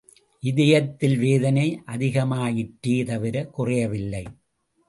இதயத்தில் வேதனை அதிகமாயிற்றே தவிர குறையவில்லை.